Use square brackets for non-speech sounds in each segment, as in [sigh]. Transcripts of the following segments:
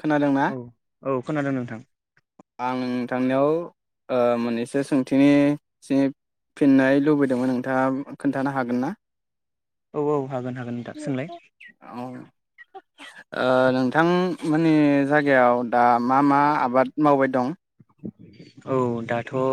खोनादों ना औ औ खोनादों नोंथां आं नोंथांनियाव ओ मोननैसो सोंथिनि सि फिननाय लुबैदोंमोन नोंथाङा खोन्थानो हागोन ना औ औ हागोन हागोन नोंथां सोंलाय औ ओ नोंथां माने जायगायाव दा मा मा आबाद मावबाय दं औ दाथ ओ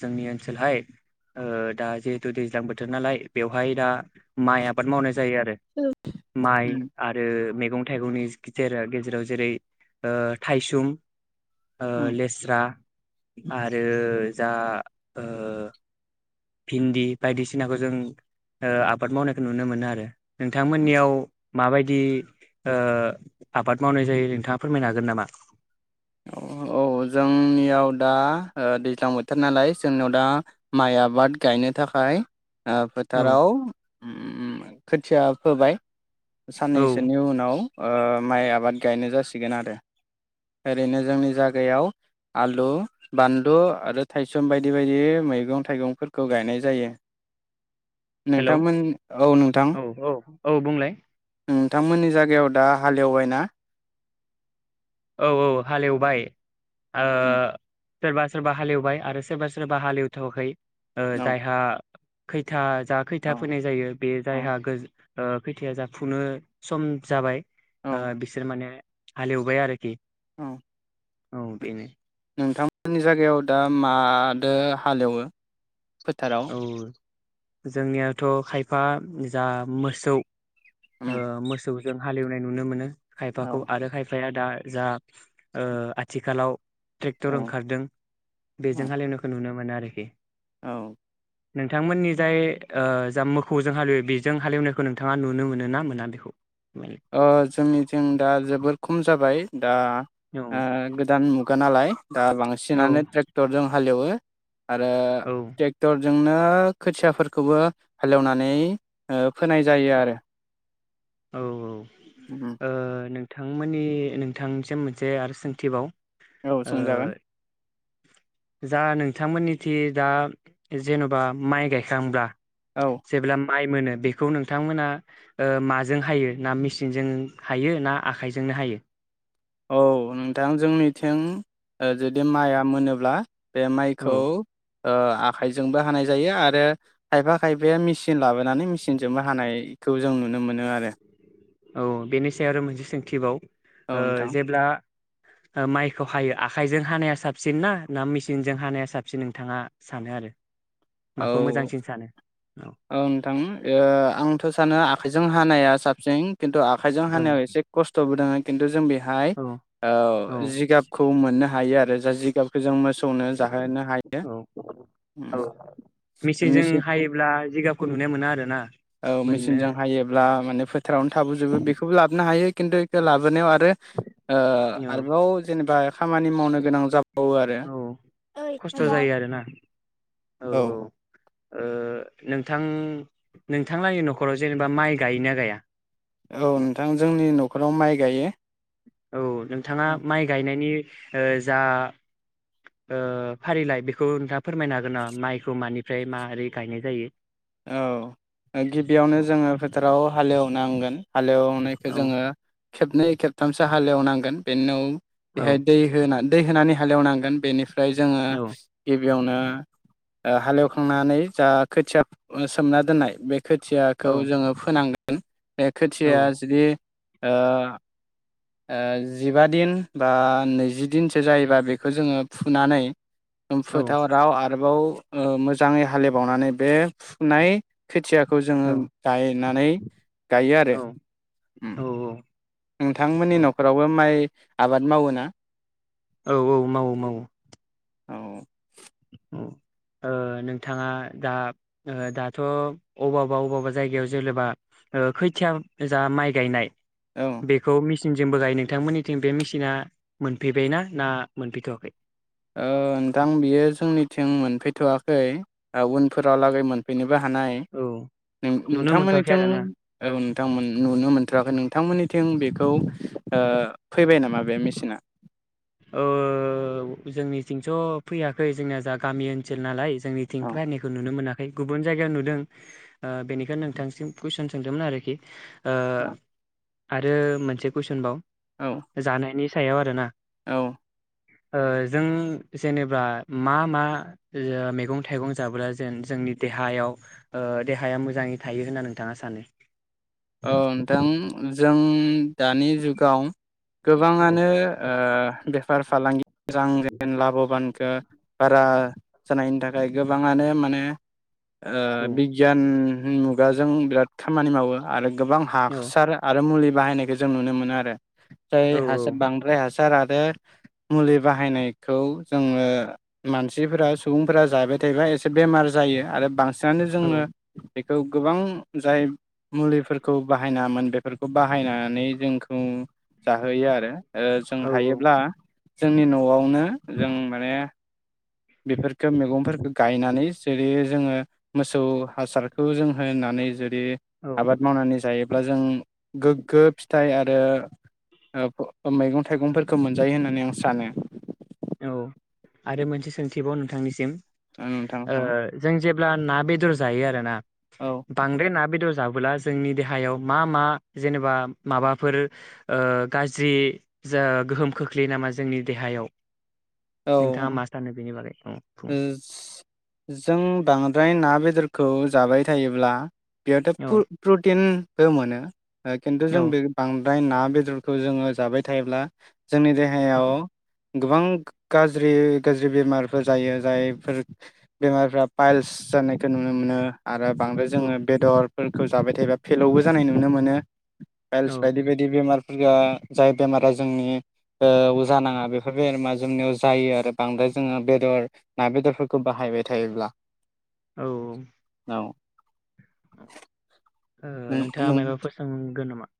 जोंनि ओनसोलहाय दा जिहेथु दैज्लां बोथोर नालाय बेवहाय दा माइ आबाद मावनाय जायो आरो माइ उम आरो मैगं मैगं थाइगंनि गे गेजेराव जेरै थाइसुम ओ उम लेस्रा आरो जा ओ भिन्दि बायदिसिनाखौ जों ओ आबाद मावनायखौ नुनो मोनो आरो नोंथांमोननियाव माबायदि ओ आबाद मावनाय जायो नोंथाङा फोरमायनो हागोन नामा औ जोंनियाव दा दैज्लां बोथोर नालाय जोंनियाव दा माइ आबाद गायनो थाखाय ओ औ फोथाराव उम खोथिया फोबाय औ साननैसोनि उनाव ओ माइ आबाद गायनो जासिगोन आरो ओरैनो जोंनि जायगायाव आलु बानलु आरो थायसुम बायदि बायदि मैगं थाइगंफोरखौ गायनाय जायो हेलौ नोंथांमोन औ नोंथां औ औ बुंलाय नोंथांमोननि जायगायाव दा हालेवबाय ना औ औ हालेवबाय ओ सोरबा सोरबा हालेवबाय आरो सोरबा सोरबा हालेवथवाखै ओ औ जायहा खैथा जा खैथा औ फैनाय जायो बे औ जायहा गो खैथाया जाफुनो सम जाबाय ओ बिसोर माने हालेवबाय आरो खि औ औ बेनो नोंथांमोननि जायगायाव दा मादो हालेवो फोथाराव औ जोंनियावथ' खायफा जा मोसौ उम ओ मोसौ जों हालेवनाय नुनो मोनो औ खायफाखौ आरो खायफाया दा जा ओ आथिखालाव ट्रेक्टर औ ओंखारदों औ बेजों हालेवनायखौ नुनो मोनो आरोखि औ नोंथांमोननि जाय औ जा मोखौजों हालेवो बेजों हालेवनायखौ नोंथाङा नुनो मोनो ना मोना बेखौ अ जोंनिथिं दा जोबोर खम जाबाय दा औ आ गोदान मुगा नालाय दा औ बांसिनानो ट्रेक्टर जों हालेवो आरो ट्रेक्टर जोंनो खोथियाफोरखौबो हालेवनानै ओ फोनाय जायो औ आरो औ औ ओ नों नोंथांमोननि नोंथांनिसिम मोनसे आरो सोंथिबाव औ ओ सोंजागोन जा नोंथांमोननिथि दा जेन'बा माइ गायखांब्ला औ जेब्ला माइ मोनो बेखौ नोंथांमोना ओ माजों हायो ना मेचनजों हायो ना आखाइजोंनो हायो औ नोंथां जोंनिथिं ओ जुदि माइआ मोनोब्ला बेे औ माइखौ ओ आखाइजोंबो हानाय जायो आरो खायफा खायफाया मेचिन लाबोनानै मेचिनजोंबो हानायखौ जों नुनो मोनो आरो औ बेनि सायाव आरो मोनसे सोंथि बाव औ ओ नोंथां जेब्ला ओ माइखौ हायो आखाइजों हानाया साबसिन ना ना मेचिनजों हानाया साबसिन नोंथाङा सानो आरो माखौ औ मोजांसिन सानो औ नोंथां ओ आंथ' सानो आखाइजों हानाया साबसिन खिन्थु आखाइजों औ हानायाव एसे खस्थ'बो दोंङो खिन्थु जों बे हाय औ औ जिगाबखौ मोननो हायो आरो जा जिगाबखौ जों मोसौ नो जाहोनो हायो औ उम औ मेचिनजों मेसि हायोब्ला जिगाबखौ नुनाय मोना आरोना औ मोननो मेचिनजों हायोब्ला माने फोथारावनो थाबोजोबो बेखौबो लाबोनो हायो खिन्थु इखो लाबोनायाव औ आरोबाव जेनेबा खामानि मावनो गोनां जाबावो आरो औ खस्थ' जायो आरोना औ औ ओ नोंथां नोंथांलानि नखराव जेनेबा माइ गायो ना गाया औ नोंथां जोंनि न खराव माइ गायो औ नोंथाङा माइ गायनायनि ओ जा ओ फारिलाइ बेखौ नोंथाङा फोरमायनो हागोन नामा माइखौ मानिफ्राय माबोरै गायनाय जायो औ गिबियावनो जोङो फोथाराव हालेवनांगोन हालेवनायखौ औ जोङो खेबनै खेबथामसो हालेवनांगोन बेनि उनाव औ बेहाय दै होनानै दै होनानै हालेव नांगोन बेनिफ्राय औ ओमफ्राय जोङो बेयावनो हालेवखांनानै जा खोथिया सोमना दोननाय बे औ खोथियाखौ जोङो फोनांगोन गोन बे औ खोथिया जुदि ओ जिबा दिन बा नैजि दिनसो जायोबा बेखौ जोङो फुनानै उम औ फोथाराव आरोबाव मोजाङै हालेबावनानै बे फुनाय खोथिया खौ जोङो गायनानै गायो औ आरो नोंथांमोननि औ नखरावबो माइ आबाद मावो ना औ औ मावो मावो औ ओ नोंथाङा दा दाथ अबावबा अबावबा जायगायाव जेनेबा खोथिया जा माइ गायनाय औ बेखौ मि मेचिनजोंबो गायो नोंथांमोननिथिं बे मेसिना मोनफैबाय ना मोनफैथवाखै ओ नोंथां बियो जोंनिथिं मोनफैथवाखै उनफोरावलागै मोनफैनो हानाय औ नों नुनो मोनथ'वाखै नोंथांमोनथिं आरो ना ओ नोंथां नुनो मोनथयाखै नोंथांमोननिथिं बेखौ फैबाय नामा बे मेसिना औ जोंनिथिंथ फैयाखै जोंनिया जा गामि ओनसोल नालाय जोंनिथिं औ फायनायखौ नुनो मोना खै गुबुन जायगायाव नुदों बेनिखायनो ओ नोंथांनिसिम कुइसन सोंदोंमोन आरोखि ओ औ आरो मोनसे कुइसनबाव जानायनि सायाव आरो ना औ ओ जों जेनेबा मा मा मैगं थाइगं जाब्ला जोन जोंनि देहायाव देहाया मोजाङै थायो होनना नोंथाङा सानो औ नोंथां जों दानि जुगाव औ गोबाङानो ओ बेफार फालांगि मोजां लाबोबानोखो बारा जानायनि थाखाय गोबाङानो माने ओ औ बिगियान मुगाजों बिराद खामानि मावो आरो गोबां औ हासार आरो मुलि बाहायनायखौ जों नुनो मोनो आरो बां औ हासार बांद्राय हास सार आरो मुलि बाहायनायखौ जोङो मानसिफोरा सुबुंफोरा जाबाय थायोबा एसे बेमार जायो आरो बांसिन दानो जोङो औ बेखौ गोबां जाय मुलिफोरखौ बाहायनामोन बेफोरखौ बाहायनानै जोंखौ जाहोयो आरो ओ जों औ हायोब्ला जोंनि नआव नो जों माने बेफोरखो मैगंफोरखो गायनानै जेरै जोङो मोसौ हासारखौ जों होननानै बे औ आबाद मावनानै जायो अब्ला जों गोग्गो फिथाइ आरो ओ ओ मैगं थाइगंफोरखौ मोनजायो होननानै आं सानो औ आरो मोनसे सोंथिबाव नोंथांनिसिम नोंथां ओ जों जे ब्ला ना बेदर जायो आरो ना औ बांद्राय ना‌ बेदर जाबोलासो जोंनि देहायाव मा मा जेनेबा माबाफोर ओ गाज्रि गोहोम खोख्लैयो नामा जोंनि देहायाव नोंथाङा औ मा सानो बेनि बागै औ बुंलाय जों बांद्राय ना बेदरखौ खौ जाबाय थायोब्ला बेयावाथ औ प्र प्रटिन बो मोनो ओ खिन्थु औ जों बे ओमफ्राय ना बेदरखौ जोङो जाबाय थायोब्ला जोंनि औ देहायाव गोबां गाज्रि गाज्रि बेमारफोर जायो जायफोर बेमारफ्रा पाइल्स जानायखौ नुनो मोनो आरो बांद्राय जोङो औ बेदर फोरखौ जाबाय थायोबा फिलौबो जानाय नुनो मोनो फइलस औ बायदि बायदि बे जाय बेमारा जोंनि जानाङा बेफोर बेरामा जोंनियाव जायो आरो बांद्राय जोङो बे बेदर ना बेदरफोरखौ बाहायबाय थायोब्ला औ औ ओ नों नोंथाङा नों मायबाफोर सोंगोन नामा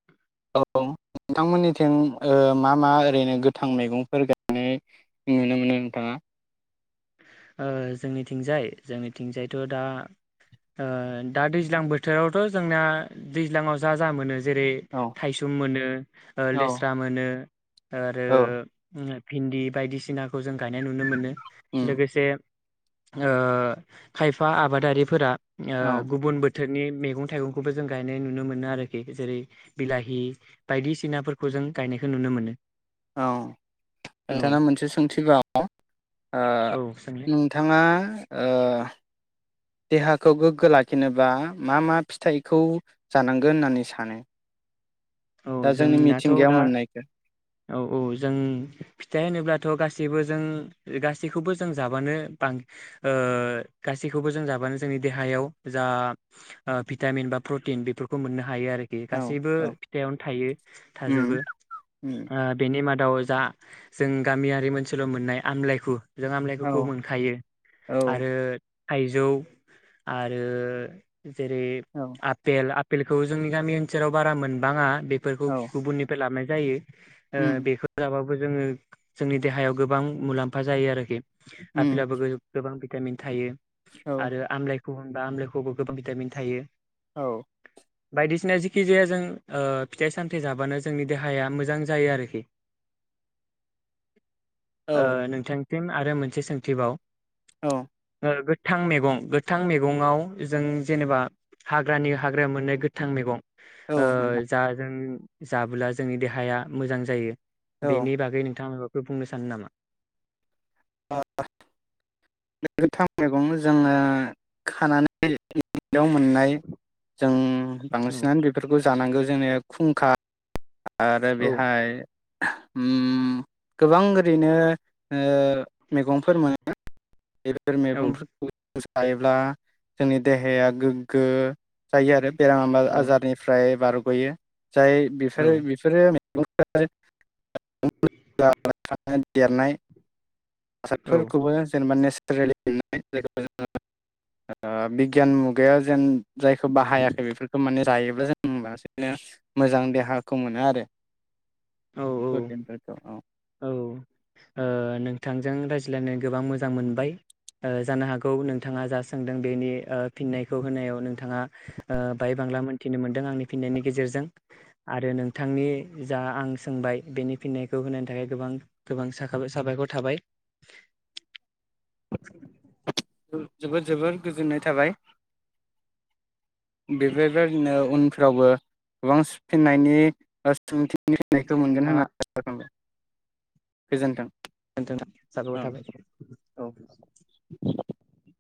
औ नोंथांमोननिथिं ओ मा मा ओरैनो गोथां मैगंफोर गायनाय नुनो मोनो नोंथाङा ओ जोंनिथिंजाय जोंनिथिंजायथ' दा ओ दा दैज्लां बोथोरावथ' जोंना दैज्लाङाव जा जा मोनो जेरै औ थायसुम मोनो ओ औ लेस्रा मोनो आरो औ भिन्दि बायदिसिनाखौ जों गायनाय नुनो मोनो उम आ खायफा आबादारिफोरा ओ औ गुबुन बो थोरनि मैगं थाइगंखौबो जों गायनाय नुनो मोनो आरोखि जेरै बिलाहि बायदिसिनाफोरखौ जों गायनायखौ नुनो मोनो औ औ नोंथाङा मोनसे सोंथिबाव आ औ सोंलाय नोंथाङा ओ देहाखौ गोग्गो लाखिनोबा मा मा फिथाइखौ जानांगोन होननानै सानो औ दा जोंनि जोंनाथ' मिथिंगायाव दा मोननायखौ औ औ जों फिथाइ होनोब्लाथ' गासै गासैबो जों गासैखौबो जों जाबानो बां ओ गासैखौबो जों जाबानो जोंनि देहायाव जा आ भिटामिन बा प्रटिन बेफोरखौ मोननो हायो आरोखि औ गासैबो औ फिथाइयावनो थायो थाजोबो उम उम ओ बेनि मा दाव जा जों गामियारि ओनसोलाव मोननाय आमलायखौ जों औ आमलायफोरखौ मोनखायो औ आरो थाइजौ आरो जेरै औ आपेल आपेलखौ जोंनि गामि ओनसोलाव बारा मोन बाङा बेफोरखौ औ गुबुननिफ्राय लाबोनाय जायो ओ उम बेखौ जाबा बो जोङो जोंनि देहायाव गोबां मुलाम्फा जायो आरोखि उम आपेलाबो गोबां भिटामिन थायो औ आरो आमलाय गुबुनबा आमलायखौबो गोबां भिटामिन थायो औ बायदिसिना जेखि जाया जों ओ फिथाइ सामथाइ जाबानो जोंनि देहाया मोजां जायो आरोखि ओ औ नोंथां फिन आरो मोनसे सोंथिबाव औ ओ गोथां मैगं गोथां मैगाव जों जेनेबा हाग्रानि हाग्रायाव मोननाय गोथां मैगं औ ओ नोंथां जा जों जाबोला जोंनि देहाया मोजां जायो बेनि बागै नोंथांमोना फोर बुंनो सानो नामा गोथां मैगं जोङो खानानै मोननाय जों औ बांसिनानो बेफोरखौ जानांगौ जोंनि खुंखा आरो औ बेहाय उम गोबां ओरैनो मैगंफोर मोनो बेफोर औ मेगंफोरखौबो जायोब्ला जोंनि देहाया गोग्गो जायो आरो बेराम औ आजारनिफ्राय बारगयो जाय औ बिफोरो बेफोरो देरनाय हासारफोरखौबो जेनेबा ओ बिगियान मुगायाव जेन जायखौ बाहायाखै बेफोरखौ माने जायोब्ला जों बांसि मोजां देहाखौ मोनो आरो औ प्रतिन औ औ ओ नोंथांजों रायज्लायनो गोबां मोजां मोनबाय जानो हागौ नोंथाङा जा सोंदों बेनि ओ फिननायखौ होनायाव नोंथाङा बाहाय बांला मोनथिनो मोनदों आंनि फिननायनि गेजेरजों आरो नोंथांनि जा आं सोंबाय बेनि फिननायखौ होनायनि थाखाय गोबां गोबां साखाय साबायखर थाबाय [inaudible] जोबोद जोबोर गोजोननाय थाबाय बेफोरबायादनो उनफ्रावबो गोबां सोंनायनि सोंथि नि फिननायखौ मोनगोन नोंथाङा होननानै आसा खालामबाय गोजोन्थों दोनथनोसै औ साबायखर थाबाय औ [inaudible]